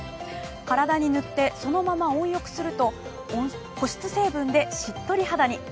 体に塗ってそのまま温浴すると保湿成分でしっとり肌に。